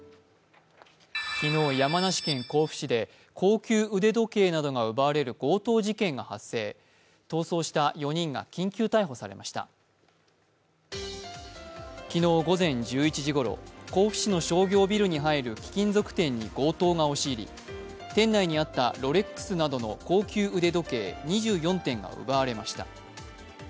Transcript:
昨日、山梨県甲府市で高級腕時計などが奪われる強盗事件が発生、逃走した４人が緊急逮捕されました昨日午前１１時ごろ甲府市の商業ビルに入る貴金属店に強盗が押し入り、店内にあったロレックスなどの高級腕時計２４点が奪われました。